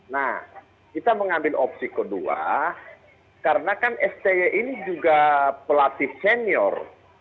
nah kita mengambil opsi kedua karena kan sti ini juga pelatih senior